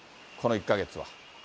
この１か月は。